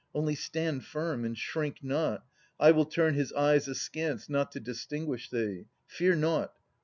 Only stand firm and shrink not; I will turn His eyes askance, not to distinguish thee ; Fear nought.